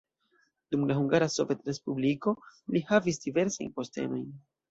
Dum la Hungara Sovetrespubliko li havis diversajn postenojn.